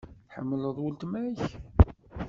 Tḥemmleḍ weltma-k?